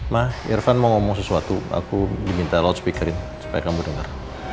ma irfan mau ngomong sesuatu aku diminta loudspeakerin supaya kamu dengar